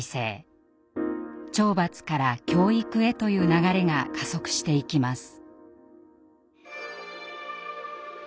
懲罰から教育へという流れが加速していきます。